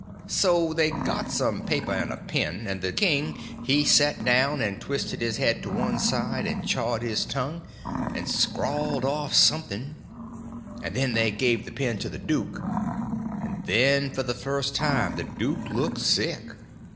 So they got some paper and a pen, and the king he set down and twisted his head to one side, and chawed his tongue, and scrawled off something; and then they give the pen to the duke—and then for the first time the duke looked sick.